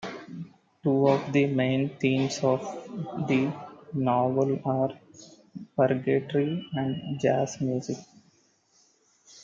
Two of the main themes of the novel are purgatory and jazz music.